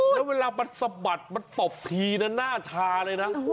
และเวลามันสะบัดตบพีเนี่ยหน้าชาเลยนะ